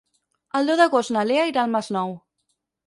El deu d'agost na Lea irà al Masnou.